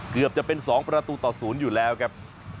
เกือบจะเป็น๒ประตูต่อ๐อยู่แล้วครับ